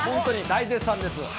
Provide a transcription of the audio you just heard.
大絶賛です。